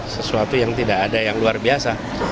sesuatu yang tidak ada yang luar biasa